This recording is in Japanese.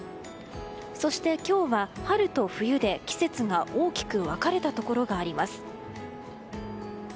そして、今日は春と冬で季節が大きく分かれたところがあります。